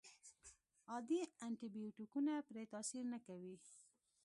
عادي انټي بیوټیکونه پرې تاثیر نه کوي.